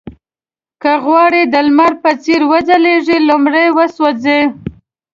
که غواړئ د لمر په څېر وځلېږئ لومړی وسوځئ.